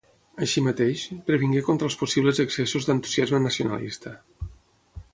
Així mateix, previngué contra els possibles excessos d'entusiasme nacionalista.